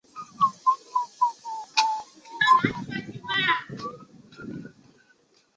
这将使得探测棒成为占卜师的潜意识知识或看法的管道。